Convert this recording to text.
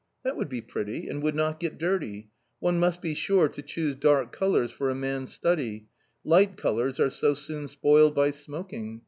"That would be pretty and would not get dirty; one must be sure to choose dark colours for a man's study; light colours are so soon spoiled by smoking.